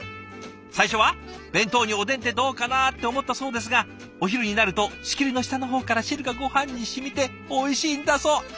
最初は「弁当におでんってどうかな」って思ったそうですがお昼になると仕切りの下の方から汁がごはんに染みておいしいんだそう。